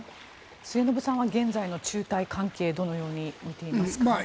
末延さんは現在の中台関係をどのように見ていますか？